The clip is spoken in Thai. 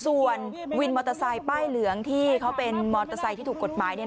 ส่วนวินมอเตอร์ไซค์ป้ายเหลืองที่เขาเป็นมอเตอร์ไซค์ที่ถูกกฎหมายเนี่ย